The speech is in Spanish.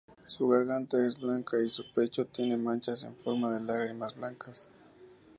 Su garganta es blanca y su pecho tiene manchas en forma de lágrimas blancas.